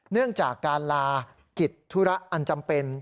เนื่องจากการลากิจธุระอันจำเป็น